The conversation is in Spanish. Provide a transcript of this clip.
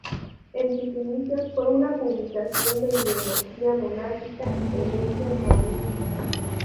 En sus inicios fue una publicación de ideología monárquica y tendencia maurista.